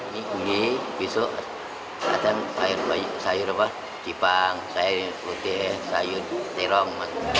minggu ini besok ada sayur jepang sayur udeh sayur terong